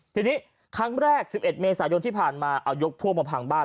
ทีนี้ครั้งแรก๑๑เมษายนที่ผ่านมาเอายกพวกมาพังบ้าน